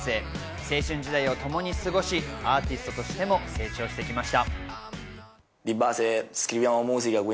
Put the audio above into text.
青春時代をともに過ごし、アーティストとしても成長してきました。